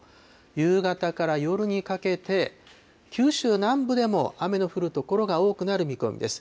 夕方から夜にかけて、九州南部でも雨の降る所が多くなる見込みです。